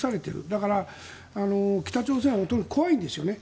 だから北朝鮮は怖いんですよね。